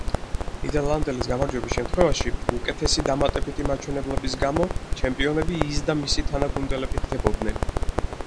ნიდერლანდელის გამარჯვების შემთხვევაში, უკეთესი დამატებითი მაჩვენებლების გამო, ჩემპიონები ის და მისი თანაგუნდელები ხდებოდნენ.